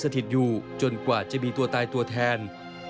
ยาลจะสิงสถิตย์อยู่จนกว่าจะมีตัวตายตัวแทน